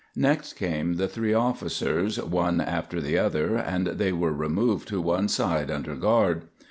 Next came the three officers, one after the other, and they were removed to one side under guard.